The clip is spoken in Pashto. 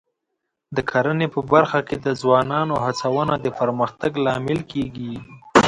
د کرنې په برخه کې د ځوانانو هڅونه د پرمختګ لامل کېږي.